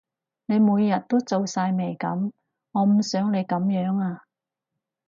你每日都皺晒眉噉，我唔想你噉樣呀